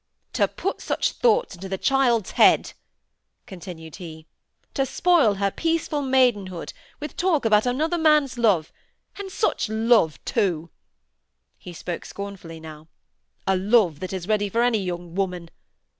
"To put such thoughts into the child's head," continued he; "to spoil her peaceful maidenhood with talk about another man's love; and such love, too," he spoke scornfully now—"a love that is ready for any young woman.